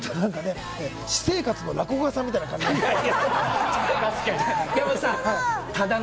私生活は落語家さんみたいな感じですから。